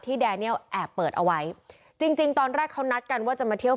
แดเนียลแอบเปิดเอาไว้จริงจริงตอนแรกเขานัดกันว่าจะมาเที่ยว